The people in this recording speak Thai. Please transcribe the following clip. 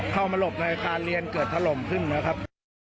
เข้ามาหลบในอาคารเรียนเกิดถล่มขึ้นนะครับ